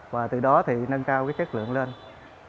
và từ đó thì nâng cao cái chất lượng lên